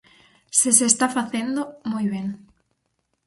Se se está facendo, moi ben.